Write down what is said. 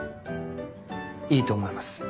いいと思います。